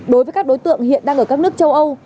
đối với các đối tượng hiện đang ở các nước châu âu